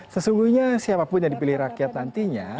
sesungguhnya siapapun yang dipilih rakyat nantinya